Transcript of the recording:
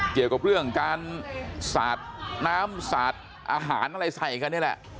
เกี่ยวกับเรื่องการสาดน้ำสาดอาหารอะไรใส่กันนี่แหละ